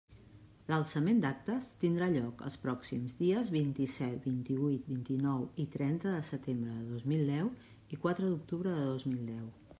L'alçament d'actes tindrà lloc els pròxims dies vint-i-set, vint-i-huit, vint-i-nou i trenta de setembre de dos mil deu i quatre d'octubre de dos mil deu.